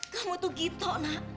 kamu tuh gitu nak